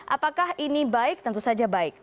apakah ini baik tentu saja baik